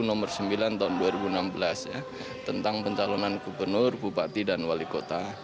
nomor sembilan tahun dua ribu enam belas tentang pencalonan gubernur bupati dan wali kota